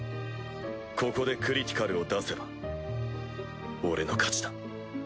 ここでクリティカルを出せば俺の勝ちだ！